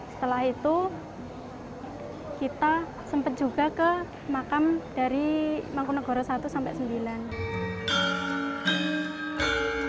setelah itu kita sempat juga ke magam dari mangku negoro satu sampai sembilan